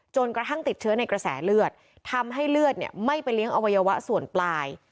กระทั่งติดเชื้อในกระแสเลือดทำให้เลือดไม่ไปเลี้ยงอวัยวะส่วนปลาย